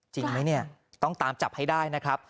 จริงไหมเนี่ยต้องตามจับให้ได้นะครับ